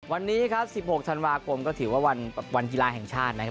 วันนี้ครับ๑๖ธันวาคมก็ถือว่าวันกีฬาแห่งชาตินะครับ